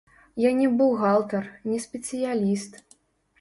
Я не бухгалтар, не спецыяліст.